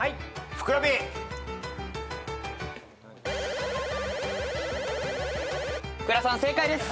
ふくらさん正解です。